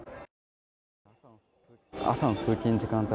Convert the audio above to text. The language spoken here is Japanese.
朝の通勤時間帯